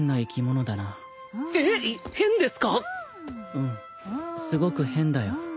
うんすごく変だよ。